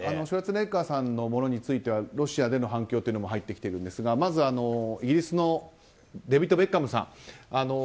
シュワルツェネッガーさんのものについてはロシアでの反響も入ってきているんですがまずイギリスのデービッド・ベッカムさん。